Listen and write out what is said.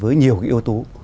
với nhiều cái yếu tố